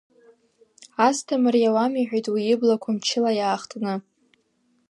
Асҭамыр, иауам иҳәеит уи иблақәа мчыла иаахтны.